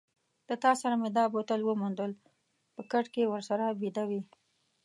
له تا سره مې دا بوتل وموندل، په کټ کې ورسره بیده وې.